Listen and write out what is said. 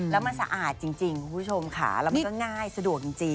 แล้วมันสะอาดจริงคุณผู้ชมค่ะแล้วมันก็ง่ายสะดวกจริง